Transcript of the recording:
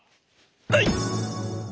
はい！